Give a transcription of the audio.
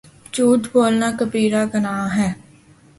جھوٹ بولنا کبیرہ گناہ ہے